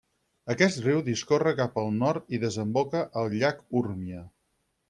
Aquest riu discorre cap al nord i desemboca al llac Urmia.